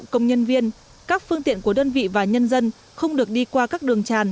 công nhân viên các phương tiện của đơn vị và nhân dân không được đi qua các đường tràn